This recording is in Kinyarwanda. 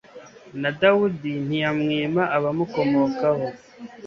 na dawudi ntiyamwima abamukomokaho